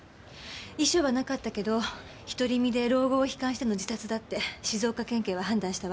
遺書はなかったけど独り身で老後を悲観しての自殺だって静岡県警は判断したわ。